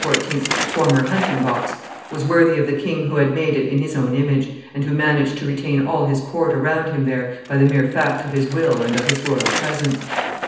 's former hunting box was worthy of the king who had made it in his own image, and who managed to retain all his court around him there, by the mere fact of his will and of his royal presence.